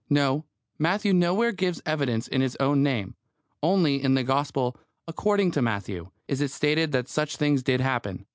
No: Matthew nowhere gives evidence in his own name. Only, in the Gospel "according to Matthew" it is stated that such things did happen.